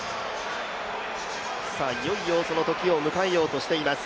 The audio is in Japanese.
いよいよその時を迎えようとしています。